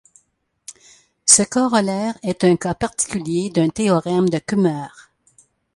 Ce corollaire est un cas particulier d'un théorème de Kummer.